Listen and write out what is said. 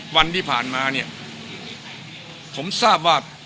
๖๐วันที่ผ่านมาผมทราบว่า